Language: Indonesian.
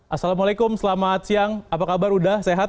assalamualaikum selamat siang apa kabar uda sehat